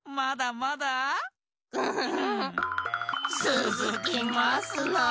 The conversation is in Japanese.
つづきますなあ！